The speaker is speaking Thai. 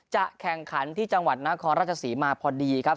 จะแข่งขันที่จังหวัดนครราชศรีมาพอดีครับ